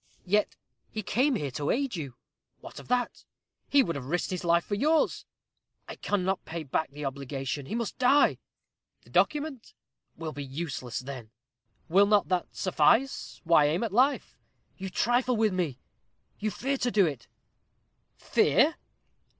"Yet he came here to aid you?" "What of that?" "He would have risked his life for yours?" "I cannot pay back the obligation. He must die!" "The document?" "Will be useless then." "Will not that suffice; why aim at life?" "You trifle with me. You fear to do it." "_Fear!